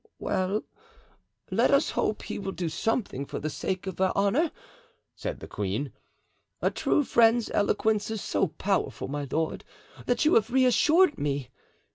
"Well, let us hope he will do something for the sake of their honor," said the queen. "A true friend's eloquence is so powerful, my lord, that you have reassured me.